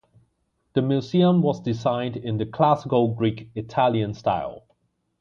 The museum was designed in the Classical Greek - Italian style.